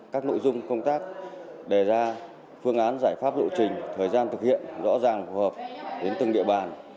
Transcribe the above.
các nội dung công tác đề ra phương án giải pháp lộ trình thời gian thực hiện rõ ràng phù hợp đến từng địa bàn